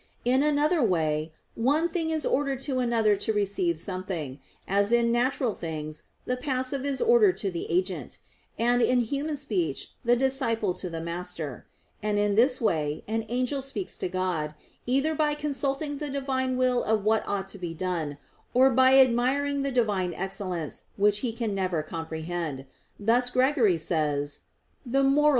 In another way one thing is ordered to another to receive something, as in natural things the passive is ordered to the agent, and in human speech the disciple to the master; and in this way an angel speaks to God, either by consulting the Divine will of what ought to be done, or by admiring the Divine excellence which he can never comprehend; thus Gregory says (Moral.